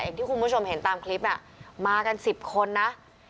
อย่างที่คุณผู้ชมเห็นตามคลิปมากัน๑๐คนนะ